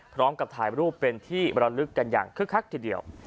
พร้อมกับถ่ายรูปเป็นที่บรรลึกกันอย่างคึกคักทีเดียว